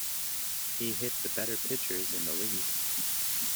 He hit the better pitchers in the league.